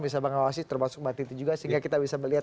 bisa mengawasi termasuk mbak titi juga sehingga kita bisa melihat